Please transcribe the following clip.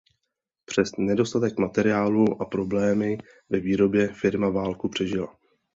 Přes nedostatek materiálu a problémy ve výrobě firma válku přežila.